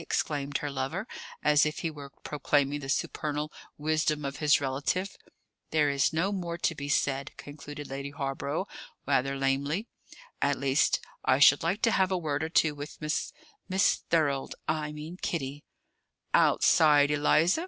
exclaimed her lover, as if he were proclaiming the supernal wisdom of his relative. " there is no more to be said," concluded Lady Hawborough rather lamely. "At least, I should like to have a word or two with Miss Miss Thorold I mean, Kitty " "Outside, Eliza!"